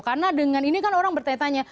karena dengan ini kan orang bertanya tanya